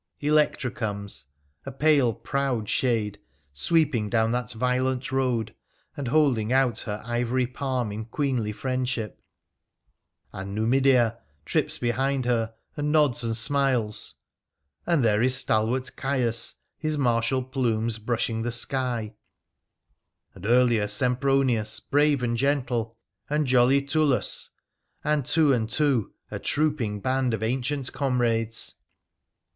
Electra comes, a pale, proud shade, sweep ing down that violet road, and holding out her ivory palm in queenly friendship ; and Numidea trips behind her, and nods and smiles ; and there is stalwart Caius, his martial plumes brushing the sky ; and earlier Sempronius, brave and gentle ; and jolly Tulus ; and, two and two, a trooping band of ancient comrades.